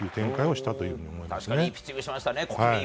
確かにいいピッチングしましたね。